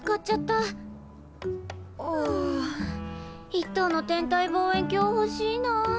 一等の天体望遠鏡ほしいな。